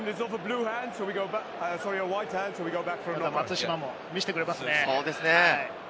ただ松島も見せてくれますね。